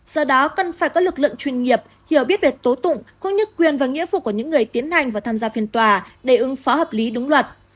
do đó cần phải có lực lượng chuyên nghiệp hiểu biết về tố tụng cũng như quyền và nghĩa vụ của những người tiến hành và tham gia phiên tòa để ứng phó hợp lý đúng luật